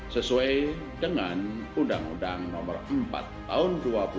sesuai dengan undang undang nomor empat tahun dua ribu dua puluh